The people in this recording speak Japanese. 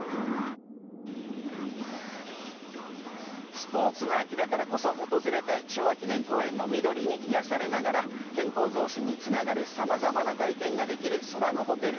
スポーツの秋だからこそ訪れたい昭和記念公園の緑に癒されながら健康増進に繋がる様々な体験ができるＳＯＲＡＮＯＨＯＴＥＬ。